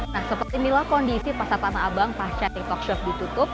nah seperti inilah kondisi pasar tanah abang pasca tiktok shop ditutup